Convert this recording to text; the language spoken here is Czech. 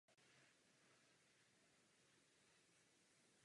Myšlenky těchto filosofů ještě doplnil Jean Jacques Rousseau.